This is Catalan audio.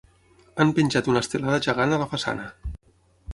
Han penjat una estelada gegant a la façana.